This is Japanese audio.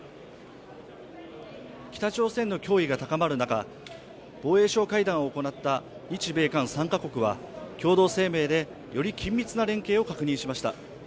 北朝鮮の脅威が高まる中、防衛相会談を行った日米韓３か国は共同声明でより緊密な連携を確認しました。